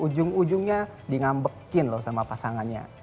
ujung ujungnya di ngambekin loh sama pasangannya